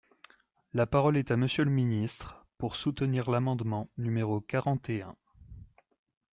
La parole est à Monsieur le ministre, pour soutenir l’amendement numéro quarante et un.